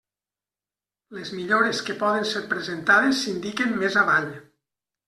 Les millores que poden ser presentades s'indiquen més avall.